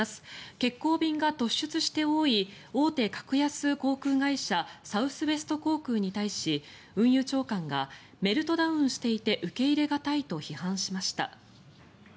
欠航便が突出して多い大手格安航空会社サウスウエスト航空に対し運輸長官がメルトダウンしていて受け入れ難いと批判しました。